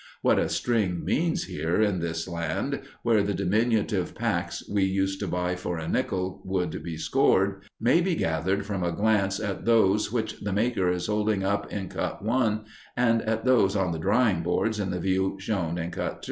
What a "string" means here in this land, where the diminutive "packs" we used to buy for a nickel would be scored, may be gathered from a glance at those which the maker is holding up in Cut I and at those on the drying boards in the view shown in Cut II.